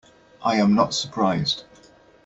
I am not surprised.